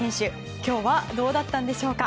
今日はどうだったんでしょうか。